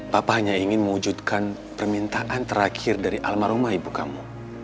papa hanya ingin mewujudkan permintaan terakhir dari almarhumah ibu kamu